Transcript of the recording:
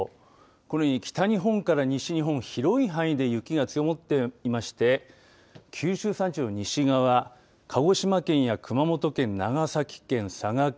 このように北日本から西日本広い範囲で雪が積もっていまして九州山地の西側鹿児島県や熊本、長崎県、佐賀県